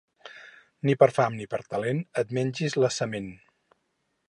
Ni per fam ni per talent et mengis la sement.